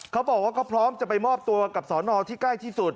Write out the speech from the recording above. เขาบอกว่าเขาพร้อมจะไปมอบตัวกับสอนอที่ใกล้ที่สุด